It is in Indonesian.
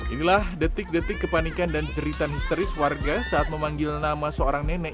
inilah detik detik kepanikan dan cerita histeris warga saat memanggil nama seorang nenek